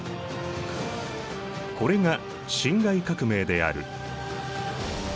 これが辛亥革命である。